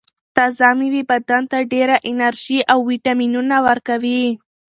تازه مېوې بدن ته ډېره انرژي او ویټامینونه ورکوي.